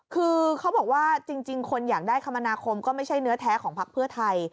คือเขาบอกว่าจริงคนอยากได้คมนาคมก็ไม่ใช่เนื้อแท้ของพักเพื่อไทย